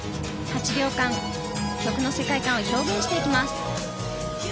８秒間曲の世界観を表現していきます。